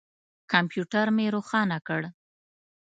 کمپیوټر مې روښانه کړ.